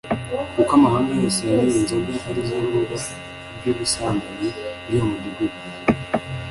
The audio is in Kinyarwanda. Kuko amahanga yose yanyoye inzoga ari zo ruba ry’ubusambanyi by’uwo mudugudu,